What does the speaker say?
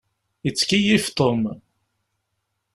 Yettkeyyif Tom.